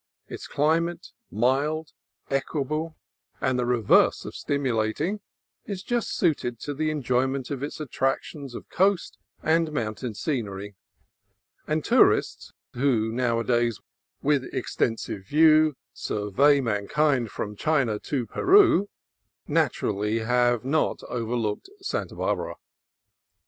Its climate, mild, equable, and the reverse of stimu lating, is just suited to the enjoyment of its attrac tions of coast and mountain scenery; and tourists, who nowadays "with extensive View, survey Man kind from China to Peru," naturally have not over looked Santa Barbara.